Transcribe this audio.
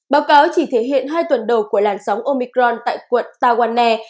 báo cáo chỉ thể hiện hai tuần đầu của làn sóng omicron tại quận tawanna